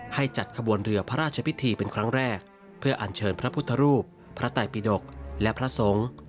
ให้จัดขบวนเรือพระราชพิธีเป็นครั้งแรกเพื่ออัญเชิญพระพุทธรูปพระไตปิดกและพระสงฆ์